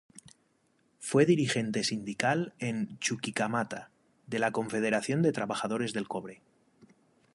Fue dirigente sindical en Chuquicamata, de la Confederación de Trabajadores del Cobre.